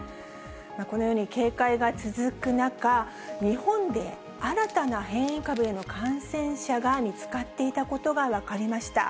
このように警戒が続く中、日本で新たな変異株への感染者が見つかっていたことが分かりました。